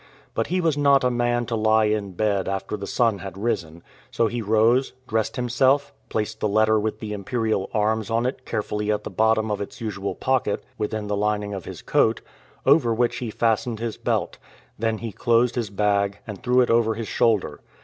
But he was not a man to lie in bed after the sun had risen; so he rose, dressed himself, placed the letter with the imperial arms on it carefully at the bottom of its usual pocket within the lining of his coat, over which he fastened his belt; he then closed his bag and threw it over his shoulder.